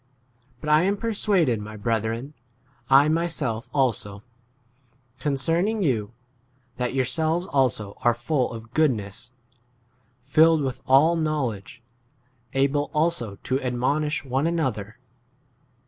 14 But I am persuaded, my breth ren, I myself also, concerning you, that yourselves also are full of goodness, filled with all know ledge, able also to admonish one 15 another.